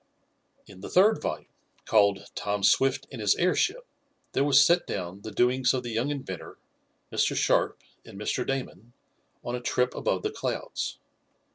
In the third volume, called "Tom Swift and His Airship," there was set down the doings of the young inventor, Mr. Sharp and Mr. Damon on a trip above the clouds.